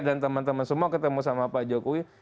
dan teman teman semua ketemu sama pak jokowi